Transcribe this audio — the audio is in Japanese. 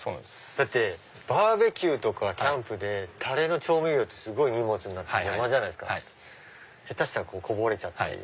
だってバーベキューとかキャンプでタレの調味料ってすごい荷物になって邪魔下手したらこぼれちゃったり。